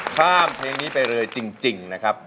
ข้ามเพลงนี้ไปเลยจริงนะครับ